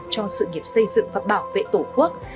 cho sự nghiệp xây dựng và bảo vệ tổ quốc